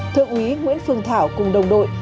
thượng úy nguyễn phương thảo cùng đồng đội